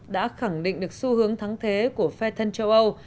đã khẳng định được xu hướng thắng thế của phe thân châu âu